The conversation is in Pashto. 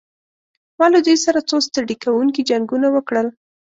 ما له دوی سره څو ستړي کوونکي جنګونه وکړل.